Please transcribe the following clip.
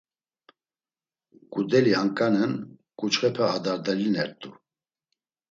Ǩudeli anǩanen, ǩuçxepe adardalinert̆u.